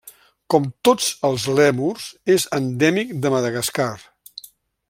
Com tots els lèmurs, és endèmic de Madagascar.